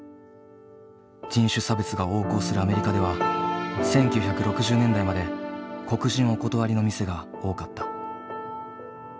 人種差別が横行するアメリカでは１９６０年代まで黒人お断りの店が多かった。